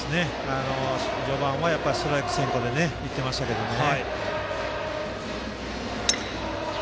序盤はストライク先行で行っていましたけどね。